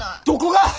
どこが！